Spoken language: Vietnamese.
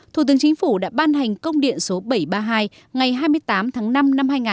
thủ tướng chính phủ đã ban hành công điện số bảy trăm ba mươi hai ngày hai mươi tám tháng năm năm hai nghìn hai mươi ba